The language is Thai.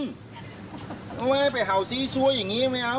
ต้องไม่ให้ไปเห่าซีซั้ว้ออย่างงี้ไม่เอา